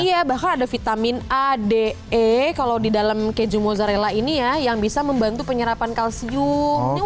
iya bahkan ada vitamin a de e kalau di dalam keju mozzarella ini ya yang bisa membantu penyerapan kalsium